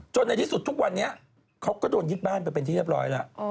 ในที่สุดทุกวันนี้เขาก็โดนยึดบ้านไปเป็นที่เรียบร้อยแล้ว